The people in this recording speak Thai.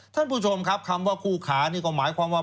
ท่านผู้ชมครับคำว่าคู่ขานี่ก็หมายความว่า